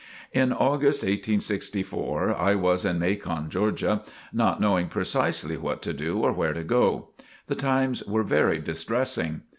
In August, 1864, I was in Macon, Georgia, not knowing precisely what to do or where to go. The times were very distressing.